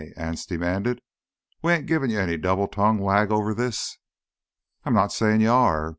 Anse demanded. "We ain't givin' you any double tongue wag over this——" "I'm not saying you are.